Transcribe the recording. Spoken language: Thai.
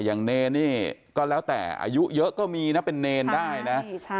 อย่างเนรี่สุดพื้นทะละอายุเยอะก็มีเป็นเนรได้นะ